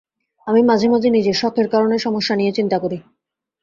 আমি মাঝে-মাঝে নিজের শখের কারণে সমস্যা নিয়ে চিন্তা করি।